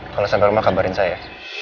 kalau sabar mah kabarin saya